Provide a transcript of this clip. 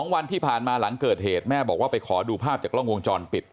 วันที่ผ่านมาหลังเกิดเหตุแม่บอกว่าไปขอดูภาพจากกล้องวงจรปิด